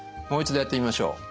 もう一度やってみましょう。